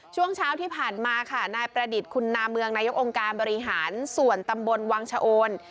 ช่วงเช้าที่ผ่านมาค่ะนายประดิษฐ์คุณนาเมืองนายกองค์การบริหารส่วนตำบลวังชะโอน